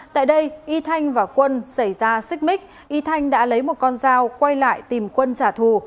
tại đây y thanh và quân xảy ra xích mích y thanh đã lấy một con dao quay lại tìm quân trả thù